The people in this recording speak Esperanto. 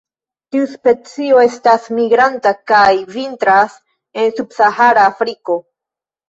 Tiu specio estas migranta, kaj vintras en subsahara Afriko.